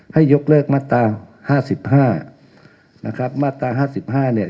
ให้ยกเลิกมาตราห้าสิบห้านะครับมาตราห้าสิบห้าเนี่ย